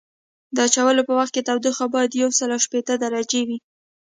د اچولو په وخت تودوخه باید یوسل شپیته درجې وي